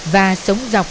và sống dọc